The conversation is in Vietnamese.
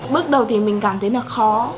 bước đầu thì mình cảm thấy là khó